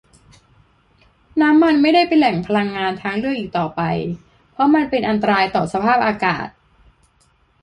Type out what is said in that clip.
น้ำมันไม่ได้เป็นแหล่งพลังงานทางเลือกอีกต่อไป เพราะมันเป็นอันตรายต่อสภาพอากาศ